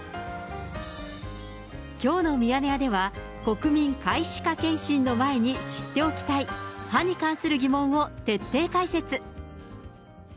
きょうのミヤネ屋では、国民皆歯科健診の前に知っておきたい歯に関する疑問を徹底解説！